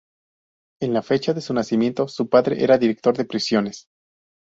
En la fecha de su nacimiento su padre era director de prisiones.